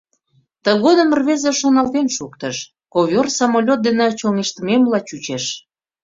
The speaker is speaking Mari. Тыгодым рвезе шоналтен шуктыш: «Ковёр-самолёт дене чоҥештымемла чучеш».